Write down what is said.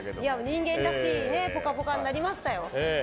人間らしいぽかぽかになりましたよ。